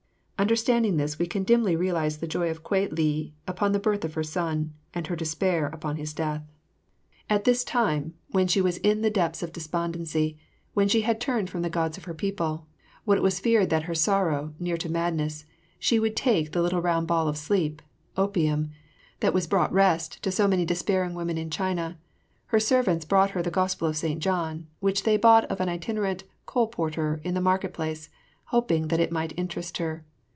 Understanding this, we can dimly realise the joy of Kwei li upon the birth of her son, and her despair upon his death. At this time, when she was in very depths of despondency, when she had turned from the gods of her people, when it was feared that her sorrow, near to madness, she would take the little round ball of sleep opium that was brought rest to so many despairing women in China, her servants brought her the Gospel of St. John, which they bought of an itinerant colporteur in the market place, hoping that it might interest her.